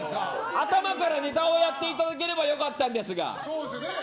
頭からネタをやっていただれば良かったんですが。